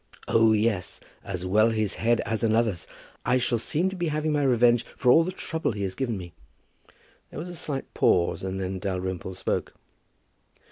"Oh, yes; as well his head as another's. I shall seem to be having my revenge for all the trouble he has given me." There was a slight pause, and then Dalrymple spoke.